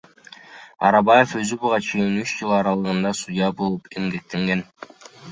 Арабаев өзү буга чейин үч жыл аралыгында судья болуп эмгектенген.